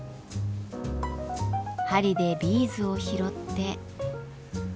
針でビーズを拾って。